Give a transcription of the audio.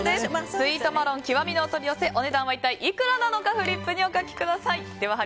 スイートマロン極のお取り寄せお値段は一体いくらなのかフリップにお書きください。